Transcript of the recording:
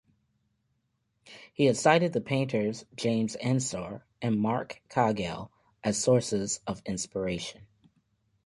He has cited the painters James Ensor and Marc Chagall as sources of inspiration.